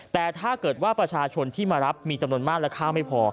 แต่ถ้าเกิดว่าประชาชนที่มารับมีจำนวนมากและข้าวไม่พอ